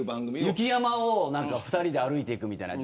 雪山を２人で歩いていくみたいな。